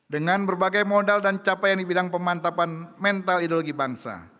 dengan berbagai modal dan capaian di bidang pemantapan mental ideologi bangsa